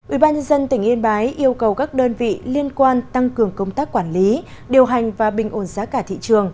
ubnd tỉnh yên bái yêu cầu các đơn vị liên quan tăng cường công tác quản lý điều hành và bình ổn giá cả thị trường